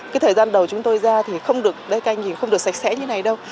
cái thời gian đầu chúng tôi ra thì không được lấy canh nhìn không được sạch sẽ như này đâu